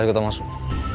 mari kita masuk